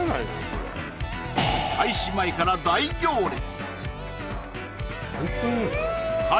これ開始前から大行列！